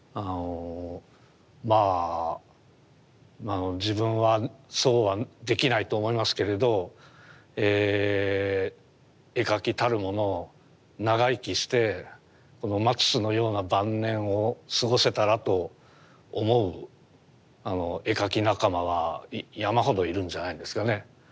まあ自分はそうはできないと思いますけれど絵描きたるもの長生きしてこのマティスのような晩年を過ごせたらと思う絵描き仲間は山ほどいるんじゃないんですかね。